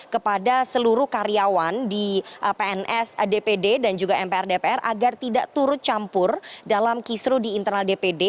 kepada seluruh karyawan di pns dpd dan juga mpr dpr agar tidak turut campur dalam kisru di internal dpd